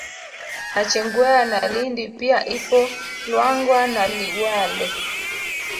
Nachingwea na Lindi pia ipo Luangwa na Liwale